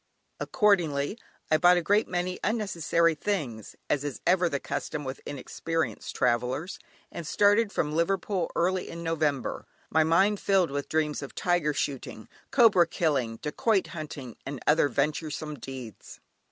Accordingly, I bought a great many unnecessary things, as is ever the custom with inexperienced travellers, and started from Liverpool early in November, my mind filled with dreams of tiger shooting, cobra killing, dacoit hunting, and other venturesome deeds.